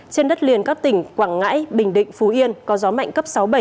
trên đất liền các tỉnh quảng ngãi bình định phú yên có gió mạnh cấp sáu bảy